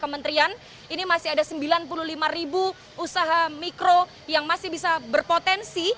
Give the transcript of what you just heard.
kementerian ini masih ada sembilan puluh lima ribu usaha mikro yang masih bisa berpotensi